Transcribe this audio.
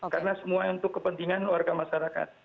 karena semua untuk kepentingan warga masyarakat